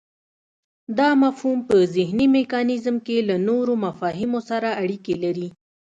دا مفهوم په ذهني میکانیزم کې له نورو مفاهیمو سره اړیکی لري